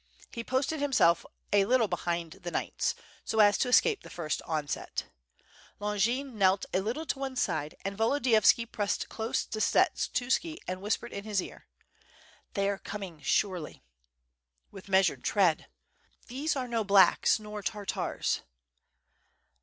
He posted himself a little behind the knights, so as to escape the first onset. Longin knelt a little to one side, and Volodiyovski pressed close to Skshetuski and whispered in his ear. "They are coming, surely." "With measured tread." "These are no 'blacks,* nor Tartars."